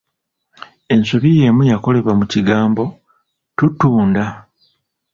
Ensobi y’emu yakolebwa mu kigambo ‘tuutunda’